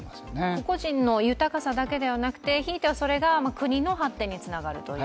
個々人の豊かさだけじゃなくて、ひいてはそれが国の発展につながるという。